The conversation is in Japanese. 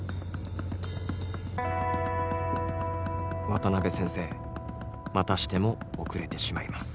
渡辺先生またしても後れてしまいます。